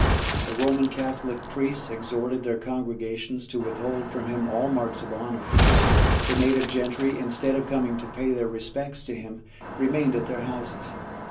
The Roman Catholic priests exhorted their congregations to withhold from him all marks of honour. The native gentry, instead of coming to pay their respects to him, remained at their houses.